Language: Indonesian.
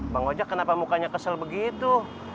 bang ojek kenapa mukanya kesel begitu